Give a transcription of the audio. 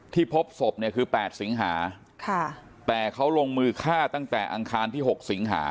พบศพเนี่ยคือ๘สิงหาแต่เขาลงมือฆ่าตั้งแต่อังคารที่๖สิงหา